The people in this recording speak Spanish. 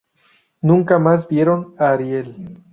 Nunca más vieron a Ariel.